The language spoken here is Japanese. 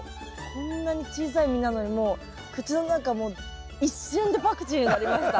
こんなに小さい実なのにもう口の中もう一瞬でパクチーになりました。